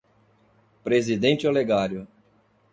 Presidente Olegário